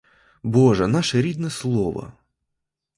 Боже, наше рідне слово!